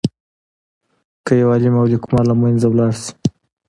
که یو عالم او لیکوال له منځه لاړ شي.